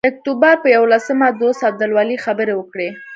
د اکتوبر پر یوولسمه دوست عبدالولي خبرې وکړې.